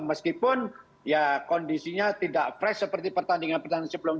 meskipun kondisinya tidak fresh seperti pertandingan pertandingan sebelumnya